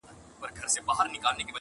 په پنځمه ورځ مور له کور څخه ذهناً وځي,